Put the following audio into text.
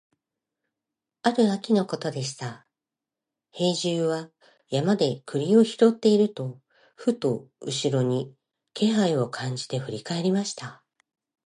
ある秋のことでした、兵十は山で栗を拾っていると、ふと後ろに気配を感じて振り返りました。